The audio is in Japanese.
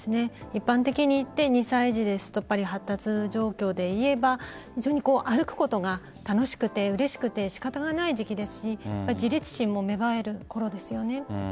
一般的に言って２歳児ですと発達状況で言えば非常に歩くことが楽しくて、うれしくて仕方がない時期ですし自立心も芽生える頃ですよね。